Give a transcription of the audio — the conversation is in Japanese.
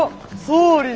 総理。